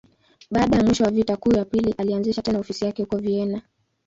Baada ya mwisho wa Vita Kuu ya Pili, alianzisha tena ofisi yake huko Vienna.